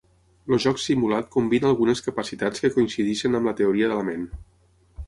El joc simulat combina algunes capacitats que coincideixen amb la teoria de la ment.